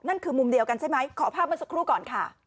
นั่นคือมุมเดียวกันใช่ไหมขอภาพเมื่อสักครู่ก่อนค่ะ